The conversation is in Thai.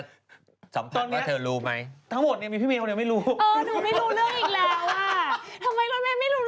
ทำไมพี่เมย์ไม่รู้เรื่องอยู่คนเดียวอีกแล้วอ่ะ